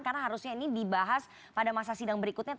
karena harusnya ini dibahas pada masa sidang berikutnya